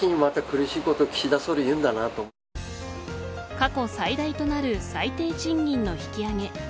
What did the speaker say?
過去最大となる最低賃金の引き上げ